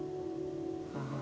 ああ。